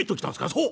「そう！